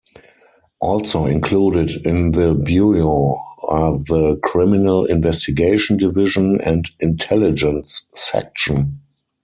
Also included in the bureau are the Criminal Investigation Division and Intelligence Section.